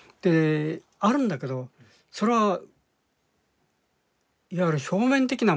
あるんだけどそれはいわゆる表面的なものというか。